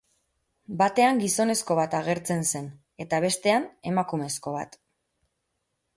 Batean gizonezko bat agertzen zen, eta, bestean, emakumezko bat.